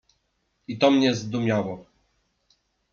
"I to mnie zdumiało."